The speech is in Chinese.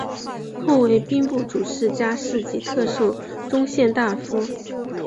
后为兵部主事加四级特授中宪大夫。